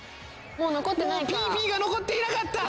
もうＰＰが残っていなかった。